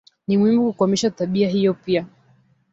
Ni muhimu kukomesha tabia hiyo pia